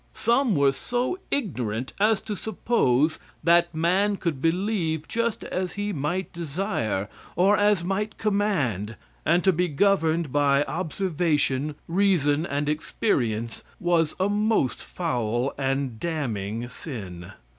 Some were so ignorant as to suppose that man could believe just as he might desire, or as might command, and to be governed by observation, reason, and experience was a most foul and damning sin.